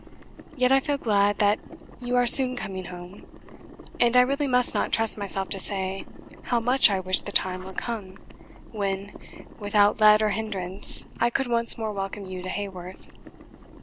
Yet I feel glad that you are soon coming home; and I really must not trust myself to say how much I wish the time were come when, without let or hindrance, I could once more welcome you to Haworth.